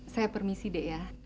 saya permisi deh ya